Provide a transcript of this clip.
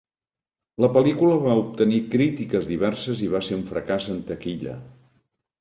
La pel·lícula va obtenir crítiques diverses i va ser un fracàs en taquilla.